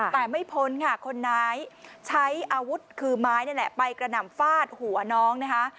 แต่ไม่พ้นค่ะคนร้ายใช้อาวุธคือไม้นี่แหละไปกระหน่ำฟาดหัวน้องนะคะ